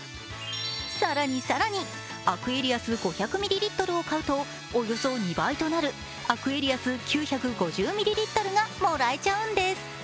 更に更にアクエリアス５００ミリリットルを買うとおよそ２倍となるアクエリアス９５０ミリリットルがもらえちゃうんです。